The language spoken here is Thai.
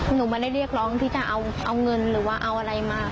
หนูไม่ได้เรียกร้องที่จะเอาเงินหรือว่าเอาอะไรมา